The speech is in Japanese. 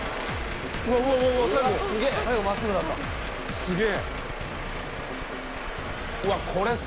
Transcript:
すげえ。